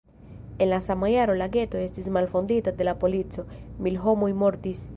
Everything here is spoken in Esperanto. En la sama jaro la geto estis malfondita de la polico; mil homoj mortis.